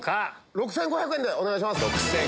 ６５００円でお願いします。